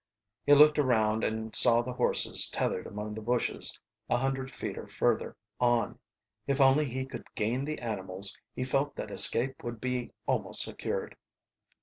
He looked around and saw the horses tethered among the bushes a hundred feet further on. If only he could gain the animals he felt that escape would be almost secured.